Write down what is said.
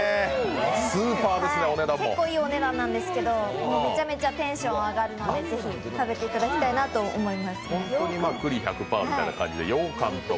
結構いいお値段なんですけど、めちゃめちゃテンションー上がるので、ぜひ、食べていただきたいと思います。